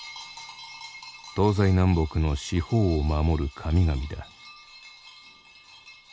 東西南北の四方を守る神々だ。